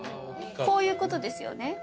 こういうことですよね？